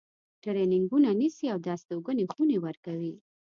ترینینګونه نیسي او د استوګنې خونې ورکوي.